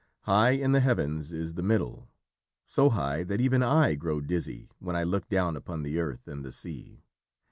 High in the heavens is the middle, so high that even I grow dizzy when I look down upon the earth and the sea.